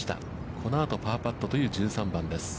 このあとパーパットという１３番です。